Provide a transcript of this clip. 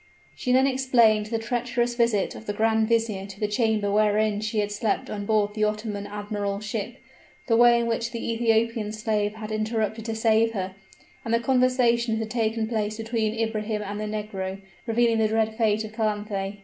She then explained the treacherous visit of the grand vizier to the cabin wherein she had slept on board the Ottoman admiral's ship the way in which the Ethiopian slave had interfered to save her and the conversation that had taken place between Ibrahim and the negro, revealing the dread fate of Calanthe.